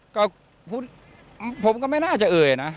ก็ผมก็ไม่น่าจะเอ่ยนะ